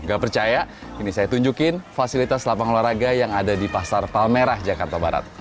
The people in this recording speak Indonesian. gak percaya ini saya tunjukin fasilitas lapangan olahraga yang ada di pasar palmerah jakarta barat